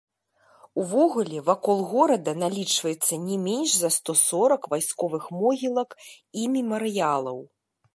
Увогуле вакол горада налічваецца не менш за сто сорак вайсковых могілак і мемарыялаў.